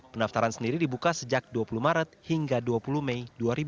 pendaftaran sendiri dibuka sejak dua puluh maret hingga dua puluh mei dua ribu dua puluh